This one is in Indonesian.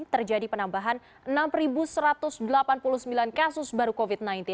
terjadi penambahan enam satu ratus delapan puluh sembilan kasus baru covid sembilan belas